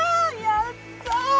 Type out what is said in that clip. やった！